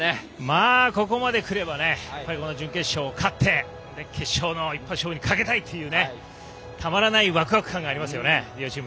まあ、ここまで来ればね最後の準決勝を勝って決勝の一本勝負にかけたいという両チームたまらないワクワク感がありますよね。